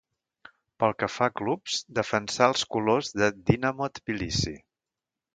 Pel que fa a clubs, defensà els colors de Dinamo Tbilisi.